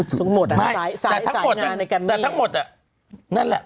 เจอนั้นน่ะหมดอ่ะสายสายสายงานในการแต่ทั้งหมดอ่ะนั่นแหละ